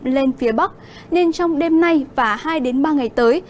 lên phía bắc nên trong đêm nay và hai ba ngày tới